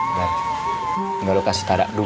nggak ngga lu kasih tada dulu